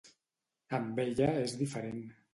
Amb ella és diferent.